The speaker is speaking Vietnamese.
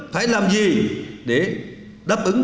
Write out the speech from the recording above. phải làm gì để đáp ứng